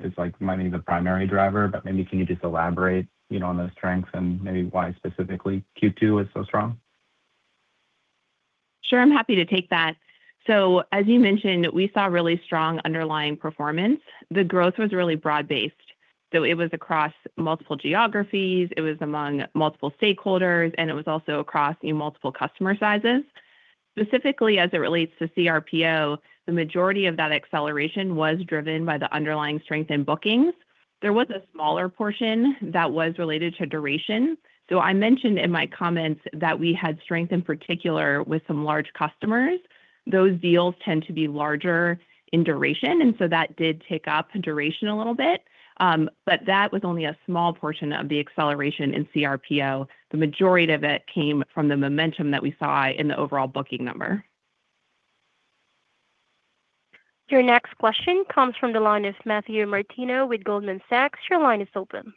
[SPEAKER 8] is maybe the primary driver, but maybe can you just elaborate on those strengths and maybe why specifically Q2 was so strong?
[SPEAKER 4] Sure. I am happy to take that. As you mentioned, we saw really strong underlying performance. The growth was really broad-based, it was across multiple geographies, it was among multiple stakeholders, and it was also across multiple customer sizes. Specifically, as it relates to CRPO, the majority of that acceleration was driven by the underlying strength in bookings. There was a smaller portion that was related to duration. I mentioned in my comments that we had strength in particular with some large customers. Those deals tend to be larger in duration, and that did take up duration a little bit. That was only a small portion of the acceleration in CRPO. The majority of it came from the momentum that we saw in the overall booking number.
[SPEAKER 1] Your next question comes from the line of Matthew Martino with Goldman Sachs. Your line is open.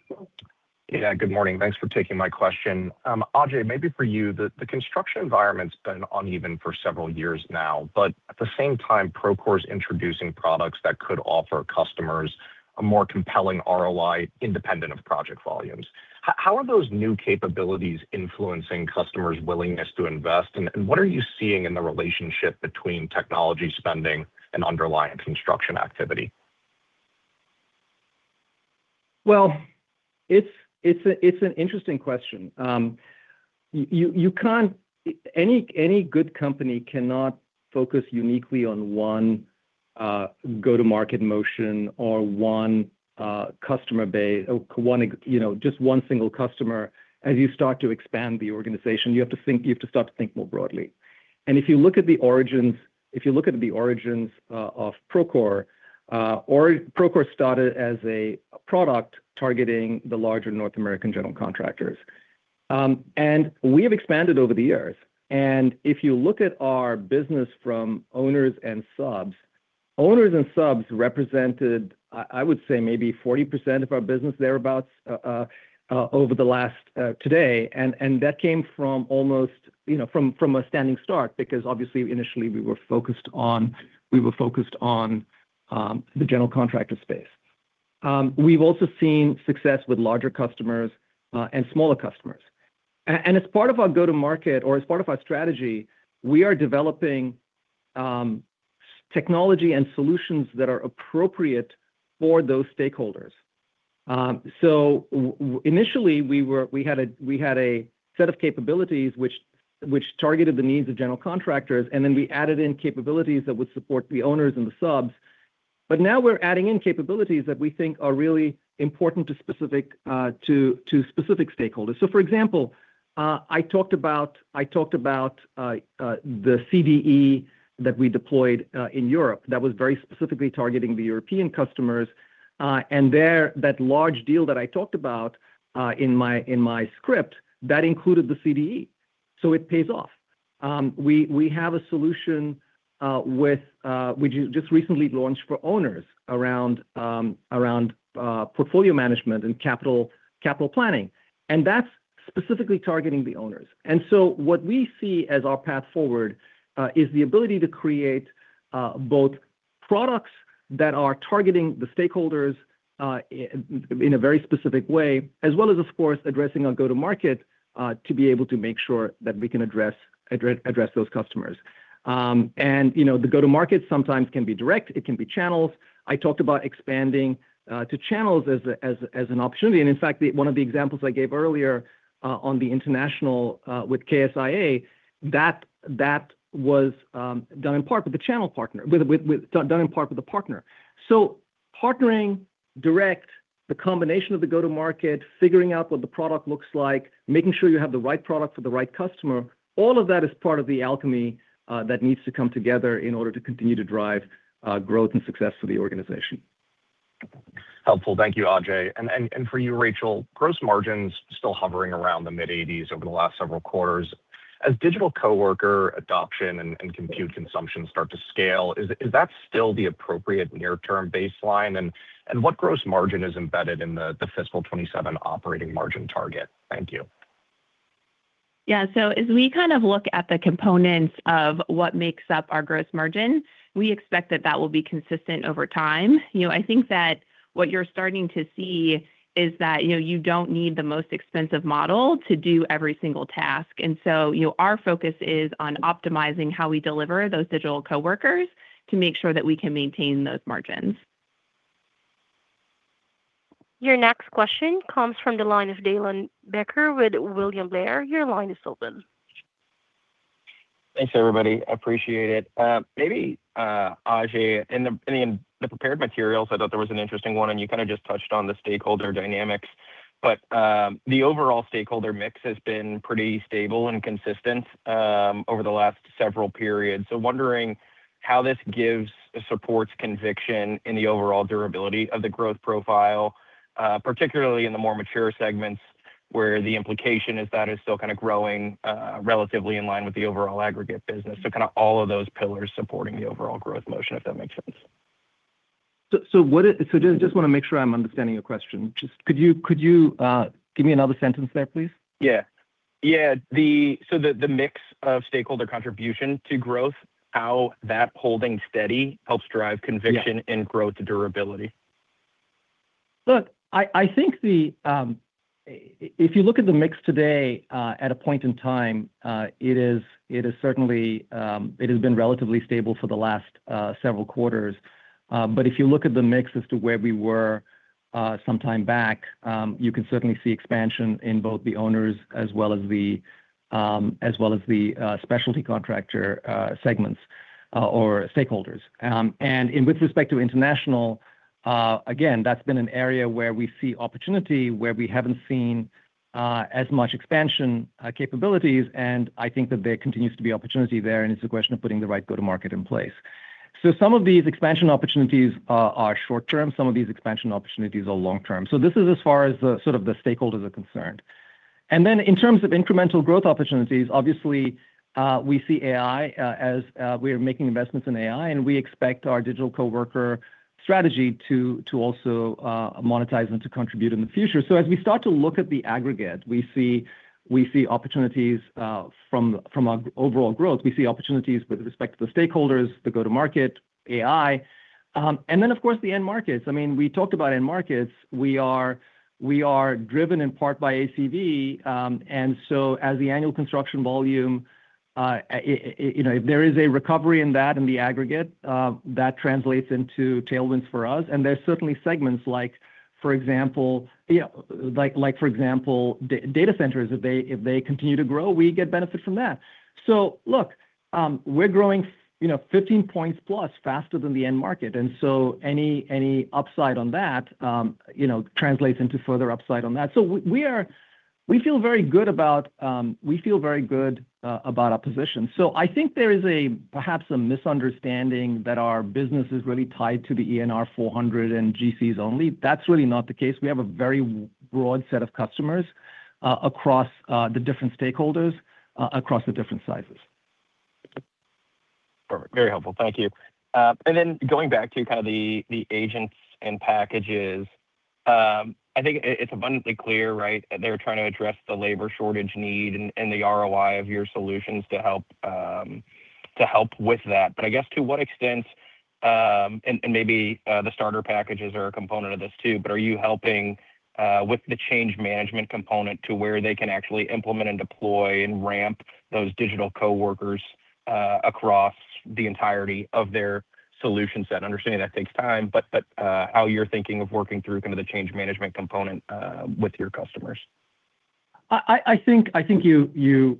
[SPEAKER 9] Yeah. Good morning. Thanks for taking my question. Ajei, maybe for you, the construction environment has been uneven for several years now, but at the same time, Procore's introducing products that could offer customers a more compelling ROI independent of project volumes. How are those new capabilities influencing customers' willingness to invest, and what are you seeing in the relationship between technology spending and underlying construction activity?
[SPEAKER 3] Well, it's an interesting question. Any good company cannot focus uniquely on one go-to-market motion or just one single customer. As you start to expand the organization, you have to start to think more broadly. If you look at the origins of Procore started as a product targeting the larger North American general contractors. We have expanded over the years, and if you look at our business from owners and subs, owners and subs represented, I would say maybe 40% of our business thereabout over the last today. That came from a standing start because obviously initially we were focused on the general contractor space. We've also seen success with larger customers and smaller customers. As part of our go-to market or as part of our strategy, we are developing technology and solutions that are appropriate for those stakeholders. Initially we had a set of capabilities which targeted the needs of general contractors, and then we added in capabilities that would support the owners and the subs. Now we're adding in capabilities that we think are really important to specific stakeholders. For example, I talked about the CDE that we deployed in Europe that was very specifically targeting the European customers. That large deal that I talked about in my script, that included the CDE, so it pays off. We have a solution we just recently launched for owners around portfolio management and capital planning, and that's specifically targeting the owners. What we see as our path forward, is the ability to create both products that are targeting the stakeholders in a very specific way, as well as of course addressing our go-to market, to be able to make sure that we can address those customers. The go-to market sometimes can be direct, it can be channels. I talked about expanding to channels as an opportunity. In fact, one of the examples I gave earlier on the international with KSIA, that was done in part with a partner. Partnering direct, the combination of the go-to market, figuring out what the product looks like, making sure you have the right product for the right customer, all of that is part of the alchemy that needs to come together in order to continue to drive growth and success for the organization.
[SPEAKER 9] Helpful. Thank you, Ajei. For you, Rachel, gross margins still hovering around the mid-80s over the last several quarters. As digital coworker adoption and compute consumption start to scale, is that still the appropriate near-term baseline? What gross margin is embedded in the fiscal 2027 operating margin target? Thank you.
[SPEAKER 4] Yeah. As we look at the components of what makes up our gross margin, we expect that that will be consistent over time. I think that what you're starting to see is that you don't need the most expensive model to do every single task. Our focus is on optimizing how we deliver those digital coworkers to make sure that we can maintain those margins.
[SPEAKER 1] Your next question comes from the line of Dylan Becker with William Blair. Your line is open.
[SPEAKER 10] Thanks, everybody. Appreciate it. Maybe, Ajei, in the prepared materials, I thought there was an interesting one, and you kind of just touched on the stakeholder dynamics. The overall stakeholder mix has been pretty stable and consistent over the last several periods. Wondering how this gives supports conviction in the overall durability of the growth profile, particularly in the more mature segments Where the implication is that is still growing relatively in line with the overall aggregate business. All of those pillars supporting the overall growth motion, if that makes sense.
[SPEAKER 3] I just want to make sure I'm understanding your question. Could you give me another sentence there, please?
[SPEAKER 10] Yeah. The mix of stakeholder contribution to growth, how that holding steady helps drive conviction and
[SPEAKER 3] Yeah
[SPEAKER 10] -growth durability.
[SPEAKER 3] Look, I think if you look at the mix today at a point in time, it has been relatively stable for the last several quarters. If you look at the mix as to where we were sometime back, you can certainly see expansion in both the owners as well as the specialty contractor segments or stakeholders. With respect to international, again, that's been an area where we see opportunity where we haven't seen as much expansion capabilities, and I think that there continues to be opportunity there, and it's a question of putting the right go-to-market in place. Some of these expansion opportunities are short-term. Some of these expansion opportunities are long-term. This is as far as the stakeholders are concerned. In terms of incremental growth opportunities, obviously, we see AI as we are making investments in AI, and we expect our digital coworker strategy to also monetize and to contribute in the future. As we start to look at the aggregate, we see opportunities from our overall growth. We see opportunities with respect to the stakeholders, the go-to-market, AI, and then of course the end markets. We talked about end markets. We are driven in part by ACV. As the annual construction volume, if there is a recovery in that in the aggregate, that translates into tailwinds for us. There's certainly segments like for example, data centers. If they continue to grow, we get benefit from that. Look, we're growing 15 points plus faster than the end market, and so any upside on that translates into further upside on that. We feel very good about our position. I think there is perhaps a misunderstanding that our business is really tied to the ENR 400 and GCs only. That's really not the case. We have a very broad set of customers across the different stakeholders, across the different sizes.
[SPEAKER 10] Perfect. Very helpful. Thank you. Then going back to the agents and packages, I think it's abundantly clear that they're trying to address the labor shortage need and the ROI of your solutions to help with that. I guess to what extent, and maybe the starter packages are a component of this too, but are you helping with the change management component to where they can actually implement and deploy and ramp those digital coworkers across the entirety of their solution set? I understand that takes time, but how you're thinking of working through the change management component with your customers.
[SPEAKER 3] I think you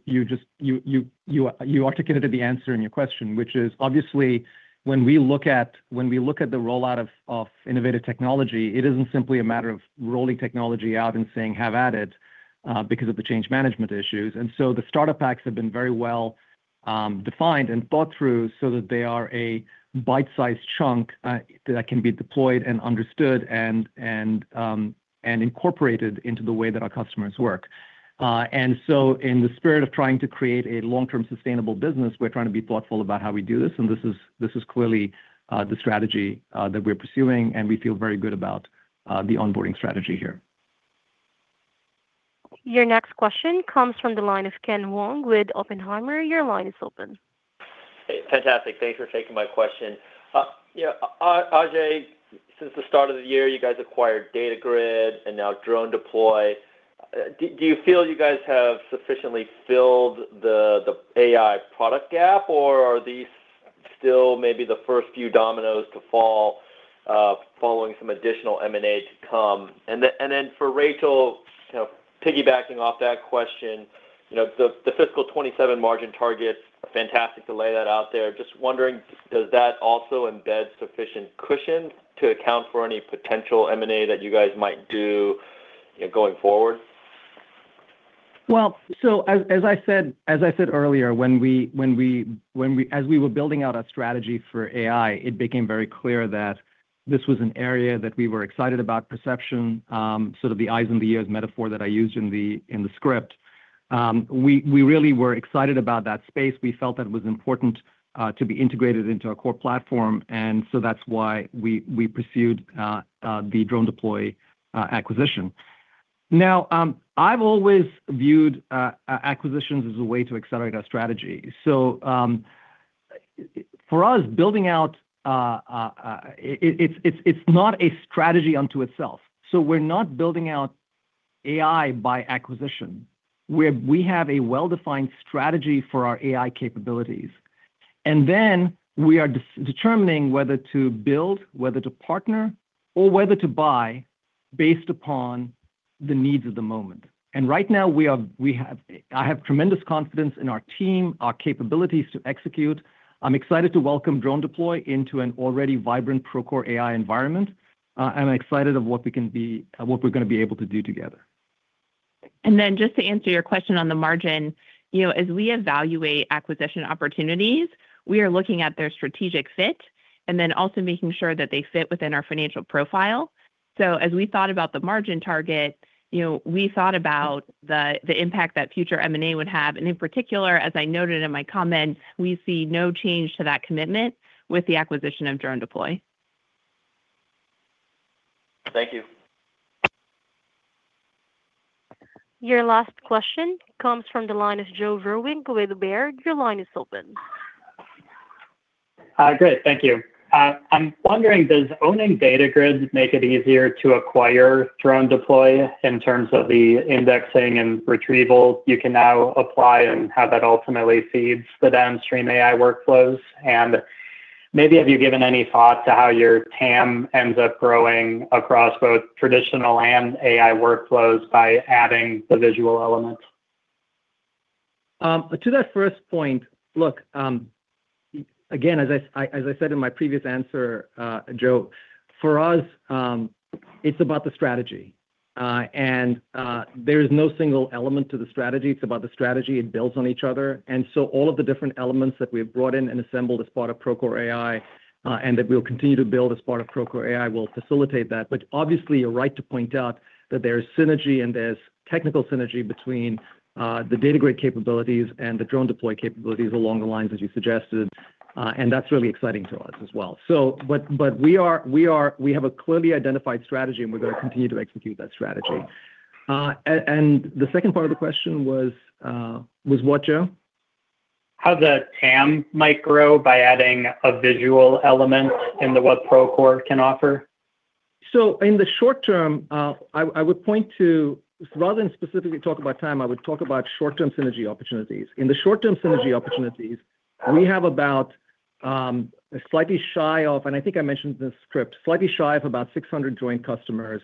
[SPEAKER 3] articulated the answer in your question, which is obviously when we look at the rollout of innovative technology, it isn't simply a matter of rolling technology out and saying, "Have at it," because of the change management issues. The startup packs have been very well defined and thought through so that they are a bite-sized chunk that can be deployed and understood and incorporated into the way that our customers work. In the spirit of trying to create a long-term sustainable business, we're trying to be thoughtful about how we do this. This is clearly the strategy that we're pursuing, and we feel very good about the onboarding strategy here.
[SPEAKER 1] Your next question comes from the line of Ken Wong with Oppenheimer. Your line is open.
[SPEAKER 11] Fantastic. Thanks for taking my question. Ajei, since the start of the year, you guys acquired Datagrid and now DroneDeploy. Do you feel you guys have sufficiently filled the AI product gap, or are these still maybe the first few dominoes to fall following some additional M&A to come? For Rachel, piggybacking off that question, the fiscal 2027 margin targets, fantastic to lay that out there. Just wondering, does that also embed sufficient cushion to account for any potential M&A that you guys might do going forward?
[SPEAKER 3] As I said earlier, as we were building out our strategy for AI, it became very clear that this was an area that we were excited about perception, sort of the eyes and the ears metaphor that I used in the script. We really were excited about that space. We felt that it was important to be integrated into our core platform, that's why we pursued the DroneDeploy acquisition. I've always viewed acquisitions as a way to accelerate our strategy. For us, building out, it's not a strategy unto itself. We're not building out AI by acquisition. We have a well-defined strategy for our AI capabilities. We are determining whether to build, whether to partner, or whether to buy based upon the needs of the moment. Right now, I have tremendous confidence in our team, our capabilities to execute. I'm excited to welcome DroneDeploy into an already vibrant Procore AI environment. I'm excited of what we're going to be able to do together.
[SPEAKER 4] Just to answer your question on the margin, as we evaluate acquisition opportunities, we are looking at their strategic fit and also making sure that they fit within our financial profile. As we thought about the margin target, we thought about the impact that future M&A would have. In particular, as I noted in my comments, we see no change to that commitment with the acquisition of DroneDeploy.
[SPEAKER 11] Thank you.
[SPEAKER 1] Your last question comes from the line of Joe Vruwink with Baird. Your line is open.
[SPEAKER 12] Great. Thank you. I'm wondering, does owning Datagrid make it easier to acquire DroneDeploy in terms of the indexing and retrieval you can now apply and how that ultimately feeds the downstream AI workflows? Maybe have you given any thought to how your TAM ends up growing across both traditional and AI workflows by adding the visual elements?
[SPEAKER 3] To that first point, look, again, as I said in my previous answer, Joe, for us, it's about the strategy. There is no single element to the strategy. It's about the strategy. It builds on each other. All of the different elements that we have brought in and assembled as part of Procore AI, and that we'll continue to build as part of Procore AI, will facilitate that. Obviously, you're right to point out that there's synergy and there's technical synergy between the Datagrid capabilities and the DroneDeploy capabilities along the lines as you suggested. That's really exciting to us as well. We have a clearly identified strategy, and we're going to continue to execute that strategy. The second part of the question was what, Joe?
[SPEAKER 12] How the TAM might grow by adding a visual element in what Procore can offer.
[SPEAKER 3] In the short term, rather than specifically talk about time, I would talk about short-term synergy opportunities. In the short-term synergy opportunities, we have about, slightly shy of, and I think I mentioned this script, slightly shy of about 600 joint customers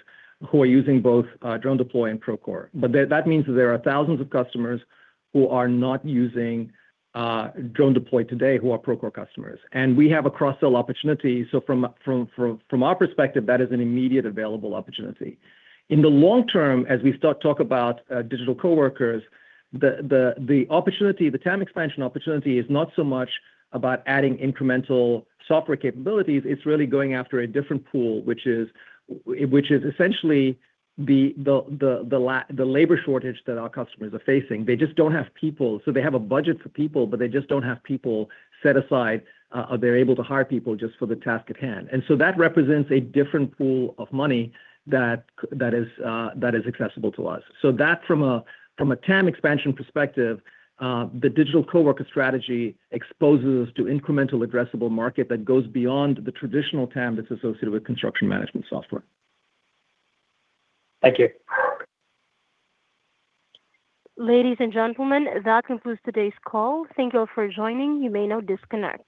[SPEAKER 3] who are using both DroneDeploy and Procore. That means there are thousands of customers who are not using DroneDeploy today who are Procore customers. We have a cross-sell opportunity, so from our perspective, that is an immediate available opportunity. In the long term, as we start talk about digital coworkers, the TAM expansion opportunity is not so much about adding incremental software capabilities. It's really going after a different pool, which is essentially the labor shortage that our customers are facing. They just don't have people. They have a budget for people, but they just don't have people set aside, or they're able to hire people just for the task at hand. That represents a different pool of money that is accessible to us. That from a TAM expansion perspective, the digital coworker strategy exposes to incremental addressable market that goes beyond the traditional TAM that's associated with construction management software.
[SPEAKER 12] Thank you.
[SPEAKER 1] Ladies and gentlemen, that concludes today's call. Thank you all for joining. You may now disconnect.